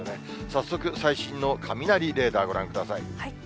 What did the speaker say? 早速、最新の雷レーダー、ご覧ください。